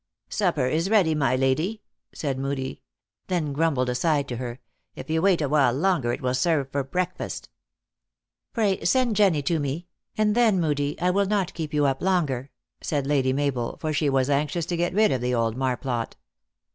"Supper is ready, my lady," said Moodie. Then grumbled aside to her, " If you wait awhile longer it will serve for breakfast." " Pray send Jenny to me ; and then, Moodie, I will not keep you up longer," said Lady Mabel, for she was anxious to get rid of the old marplot.